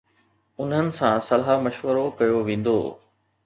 انهن سان صلاح مشورو ڪيو ويندو